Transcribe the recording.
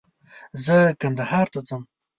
زه کندهار ته ځم